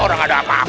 orang ada apa apa kok